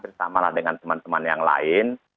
bagi teman teman yang lain